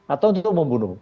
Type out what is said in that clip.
atau untuk membunuh